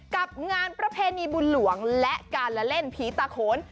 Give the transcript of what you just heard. กับงานประเพณีบุญหลวงและการละเล่นผีตาโขน